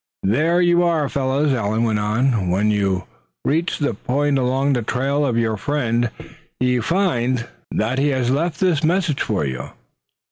"There you are, fellows," Allan went on. "When you reach this point along the trail of your friend, you find that he has left this message for you.